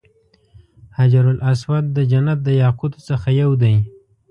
حجر اسود د جنت د یاقوتو څخه یو دی.